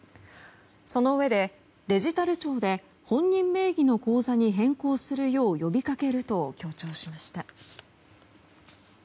そのうえで、デジタル庁で本人名義の口座に変更するよう呼びかけると強調しました。